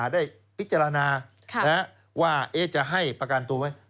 ได้พิจารณาว่าจะให้ประกันตัวไหม